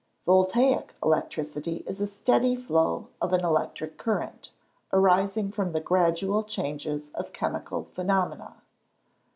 Voltaic electricity is a steady flow of an electric current, arising from the gradual changes of chemical phenomena.